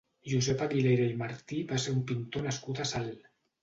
Josep Aguilera i Martí va ser un pintor nascut a Salt.